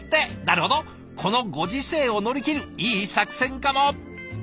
なるほどこのご時世を乗り切るいい作戦かも。